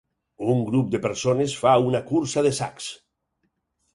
Un grup de persones fa una cursa de sacs.